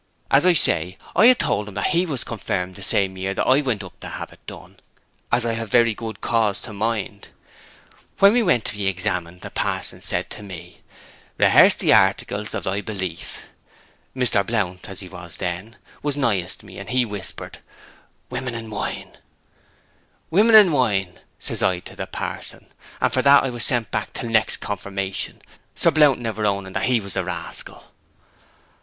As I say, I had told 'em that he was confirmed the same year that I went up to have it done, as I have very good cause to mind. When we went to be examined, the pa'son said to me, "Rehearse the articles of thy belief." Mr. Blount (as he was then) was nighest me, and he whispered, "Women and wine." "Women and wine," says I to the pa'son: and for that I was sent back till next confirmation, Sir Blount never owning that he was the rascal.'